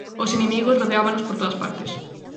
Os inimigos rodeábanos por todas partes.